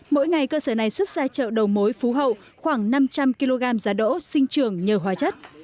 mỗi ngày cơ sở này xuất ra chợ đầu mối phú hậu khoảng năm trăm linh kg giá đỗ sinh trường nhờ hóa chất